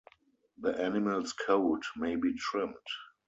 The animal's coat may be trimmed.